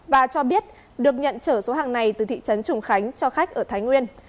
và cho biết được nhận trở số hàng này từ thị trấn trùng khánh cho khách ở thái nguyên